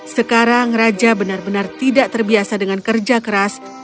sekarang raja benar benar tidak terbiasa dengan kerja keras